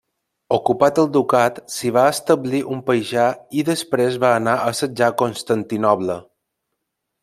Ocupat el ducat s'hi va establir un paixà i després va anar a assetjar Constantinoble.